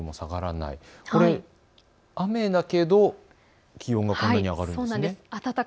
これは雨だけど気温がこんなに上がるんですか？